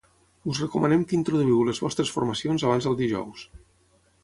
Us recomanem que introduïu les vostres formacions abans del dijous.